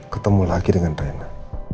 ketemu lagi dengan rina